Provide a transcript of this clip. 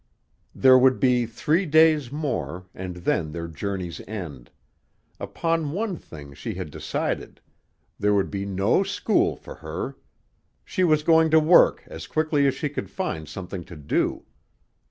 There would be three days more, and then their journey's end. Upon one thing she had decided: there would be no school for her! She was going to work as quickly as she could find something to do.